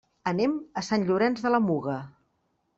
Anem a Sant Llorenç de la Muga.